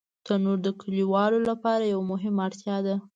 تنور د کلیوالو لپاره یوه مهمه اړتیا ده